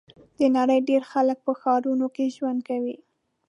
د نړۍ ډېری خلک په ښارونو کې ژوند کوي.